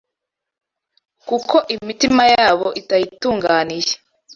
Kuko imitima yabo itayitunganiye